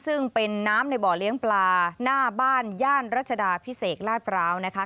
ซึ่งเป็นน้ำในบ่อเลี้ยงปลาหน้าบ้านย่านรัชดาพิเศษลาดพร้าวนะคะ